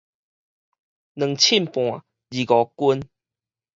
兩秤半，二五斤